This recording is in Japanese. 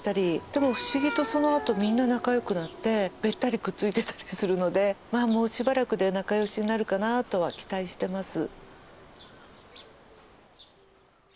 でも不思議とそのあとみんな仲よくなってべったりくっついてたりするのでまあもうしばらくで仲よしになるかなとは期待してます。